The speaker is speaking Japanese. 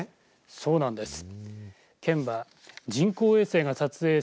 そうなんです。